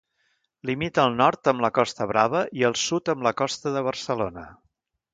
Limita al nord amb la Costa Brava i al sud amb la Costa de Barcelona.